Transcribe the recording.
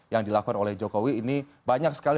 yang dilakukan oleh jokowi ini banyak sekali